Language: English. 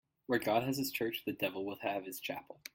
Where God has his church, the devil will have his chapel.